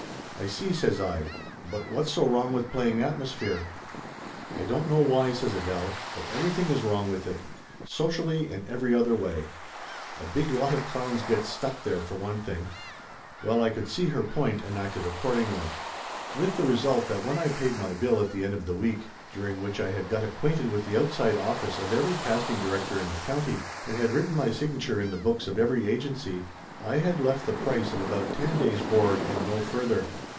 "I see!" says I. "But what's so wrong with play ing atmosphere ?" "I don't know why," says Adele. "But everything is wrong with it. Socially and every other way. A big lot of clowns gets stuck there, for one thing." Well, I could see her point and acted accordingly. 103 104 Laughter Limited With the result that when I paid my bill at the end of a week, during which I had got acquainted with the outside office of every casting director in the county, and had written my signature in the books of every agency, I had left the price of about ten days' board and no further.